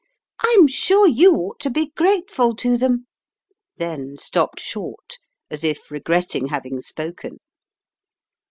"I'm sure you ought to be grateful to them " then stopped short as if regretting hav ing spoken.